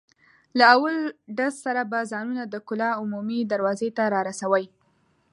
له اول ډز سره به ځانونه د کلا عمومي دروازې ته را رسوئ.